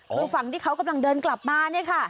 คือฝั่งที่เขากำลังเดินกลับมาเนี่ยค่ะ